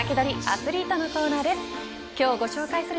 アツリートのコーナーです。